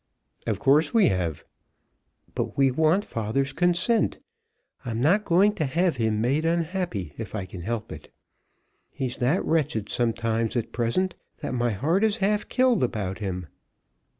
"Of course we have." "But we want father's consent. I'm not going to have him made unhappy, if I can help it. He's that wretched sometimes at present that my heart is half killed about him."